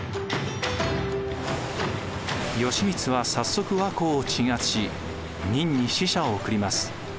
義満は早速倭寇を鎮圧し明に使者を送ります。